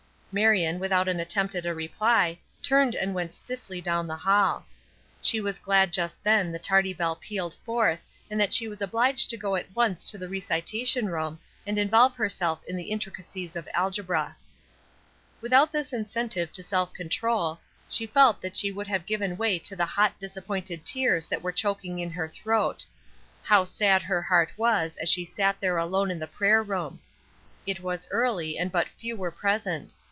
Marion, without an attempt at a reply, turned and went swiftly down the hall. She was glad that just then the tardy bell pealed forth, and that she was obliged to go at once to the recitation room and involve herself in the intricacies of algebra. Without this incentive to self control, she felt that she would have given way to the hot disappointed tears that were choking in her throat. How sad her heart was as she sat there alone in the prayer room. It was early and but few were present.